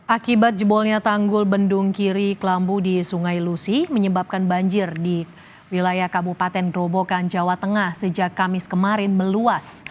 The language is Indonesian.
akibat jebolnya tanggul bendung kiri kelambu di sungai lusi menyebabkan banjir di wilayah kabupaten gerobokan jawa tengah sejak kamis kemarin meluas